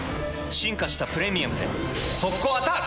進化した「プレミアム」で速攻アタック！